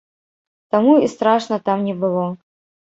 Таму і страшна там не было.